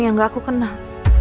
yang gak aku kenal